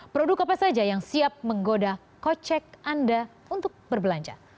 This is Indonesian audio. produk apa saja yang siap menggoda kocek anda untuk berbelanja